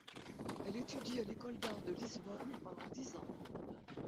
Elle étudie à l'école d'art de Lisbonne pendant dix ans.